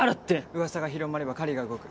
ウワサが広まれば狩りが動く。